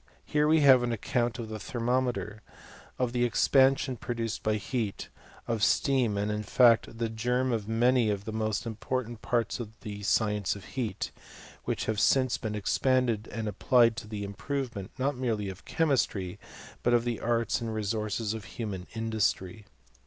Here we have an account of thft thermometer, of the expansion produced by h^at, of J steam, and in fact the germ of many of the moat ira ] portant parts of the science of heat, which have sine* I been expanded and applied to the improvement, not merely of chemistry, but of the aits and resources of human industry.